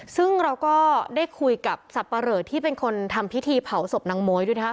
ซึ่งเราก็ได้คุยกับสับปะเหลอที่เป็นคนทำพิธีเผาศพนางโมยด้วยนะคะ